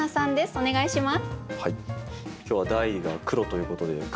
お願いします。